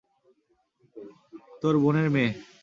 তোর বোনের মেয়ে।